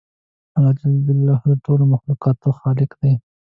الله جل جلاله د ټولو مخلوقاتو خالق دی